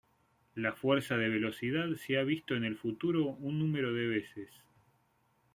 La Fuerza de Velocidad se ha visto en el futuro un número de veces.